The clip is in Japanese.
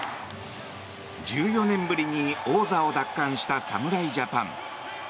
１４年ぶりに王座を奪還した侍ジャパン。